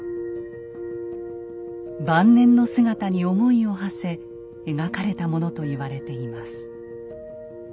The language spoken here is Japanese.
晩年の姿に思いをはせ描かれたものと言われています。